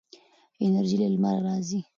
انرژي له لمره راځي.